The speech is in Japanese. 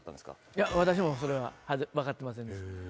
いや私もそれは分かってませんでした。